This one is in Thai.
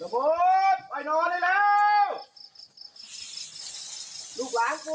ละมุดไปนอนเลยแล้ว